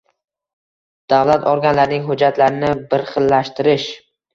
davlat organlarining hujjatlarini birxillashtirish;